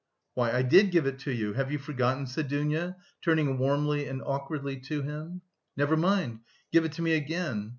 "Why, I did give it to you. Have you forgotten?" said Dounia, turning warmly and awkwardly to him. "Never mind, give it to me again."